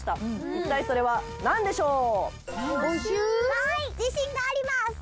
一体それはなんでしょう？